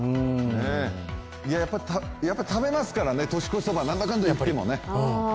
やっぱり食べますからね年越しそばなんだかんだ言ってもね。